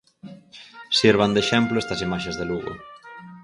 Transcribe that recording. Sirvan de exemplo estas imaxes de Lugo.